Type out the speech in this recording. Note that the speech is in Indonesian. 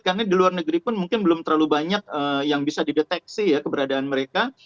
karena di luar negeri pun mungkin belum terlalu banyak yang bisa dideteksi ya keberadaan mereka